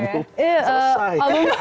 album kedua sih